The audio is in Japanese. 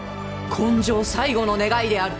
今生最後の願いである！